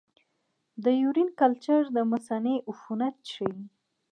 د یورین کلچر د مثانې عفونت ښيي.